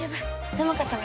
狭かったね。